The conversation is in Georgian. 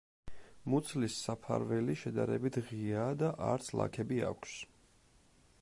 მუცლის საფარველი შედარებით ღიაა და არც ლაქები აქვს.